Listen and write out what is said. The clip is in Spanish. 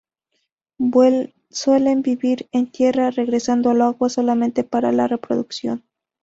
Suelen vivir en tierra, regresando al agua solamente para la reproducción.